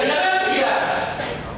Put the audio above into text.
kalau bisa silahkan